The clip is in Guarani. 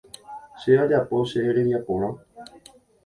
Che ajapo che rembiaporã.